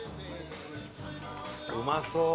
うまそう！